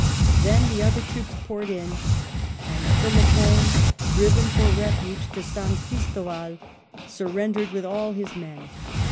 Then the other troops poured in and Philippon, driven for refuge to San Christoval, surrendered with all his men.